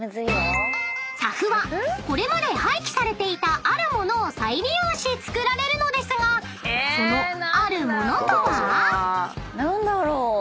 ［ＳＡＦはこれまで廃棄されていたあるモノを再利用し作られるのですがそのあるモノとは？］何だろう？